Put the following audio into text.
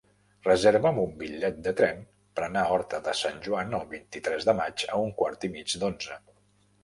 Reserva'm un bitllet de tren per anar a Horta de Sant Joan el vint-i-tres de maig a un quart i mig d'onze.